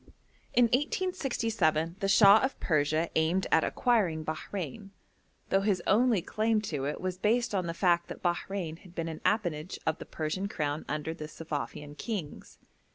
In 1867 the Shah of Persia aimed at acquiring Bahrein, though his only claim to it was based on the fact that Bahrein had been an appanage of the Persian crown under the Suffavian kings.